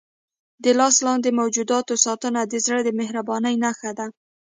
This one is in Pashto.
د لاس لاندې موجوداتو ساتنه د زړه د مهربانۍ نښه ده.